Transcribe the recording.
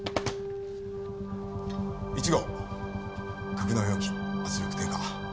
１号格納容器圧力低下。